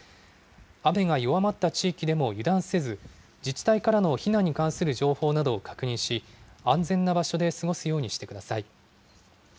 雨が弱まった地域でも油断せず、自治体からの避難に関する情報などを確認し、安全な場所で過ごすようにしてください。